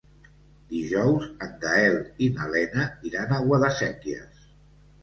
Dijous en Gaël i na Lena iran a Guadasséquies.